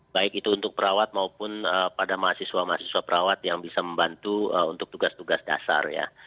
baik itu untuk perawat maupun pada mahasiswa mahasiswa perawat yang bisa membantu untuk tugas tugas dasar ya